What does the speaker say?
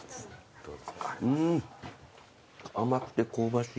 うーん！甘くて香ばしい。